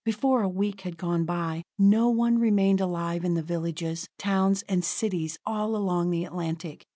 Before a week had gone by, no one remained alive in the villages, towns and cities all along the Atlantic.